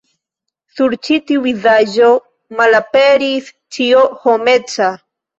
Sur ĉi tiu vizaĝo malaperis ĉio homeca.